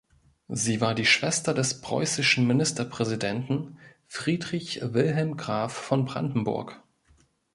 Sie war die Schwester des preußischen Ministerpräsidenten Friedrich Wilhelm Graf von Brandenburg.